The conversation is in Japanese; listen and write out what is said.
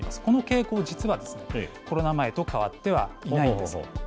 この傾向、実はコロナ前とは変わってはいないんです。